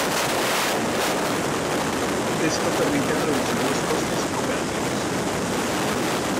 Esto permite reducir los costes operativos.